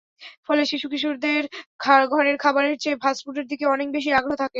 ফলে শিশু-কিশোরদের ঘরের খাবারের চেয়ে ফাস্টফুডের দিকে অনেক বেশি আগ্রহ থাকে।